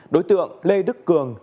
đối tượng lê đức cường